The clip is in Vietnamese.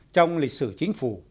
trong lịch sử chính phủ